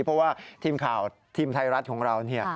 เพราะว่าทีมข่าวทีมไทยรัฐของเราเนี่ย